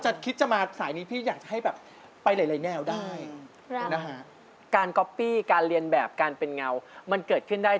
ฮักอายชอบมาจนแย่ส่อยให้เป็นรักแท้สู่เรา